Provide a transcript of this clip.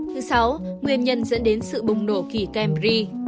thứ sáu nguyên nhân dẫn đến sự bùng nổ kỳ cambry